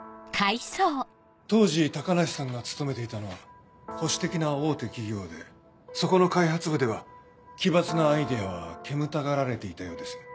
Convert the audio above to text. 当時高梨さんが勤めていたのは保守的な大手企業でそこの開発部では奇抜なアイデアは煙たがられていたようです